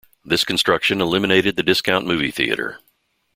This construction eliminated the discount movie theater.